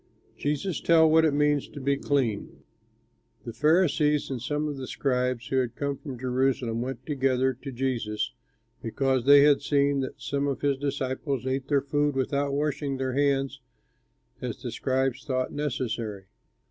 JESUS TELLS WHAT IT MEANS TO BE CLEAN The Pharisees and some of the scribes who had come from Jerusalem went together to Jesus, because they had seen that some of his disciples ate their food without washing their hands as the scribes thought necessary.